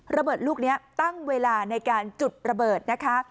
ระเบิดลูกนี้ตั้งเวลาในการจุดระเบิดนะคะ